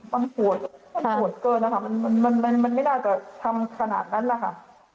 ใช่ค่ะมันหวดเกินนะคะมันไม่น่าจะทำขนาดนั้นล่ะค่ะ